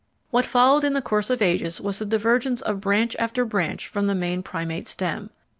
What followed in the course of ages was the divergence of branch after branch from the main Primate stem.